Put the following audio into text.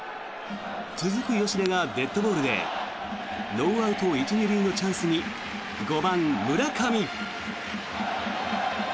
続く吉田がデッドボールでノーアウト１・２塁のチャンスに５番、村上。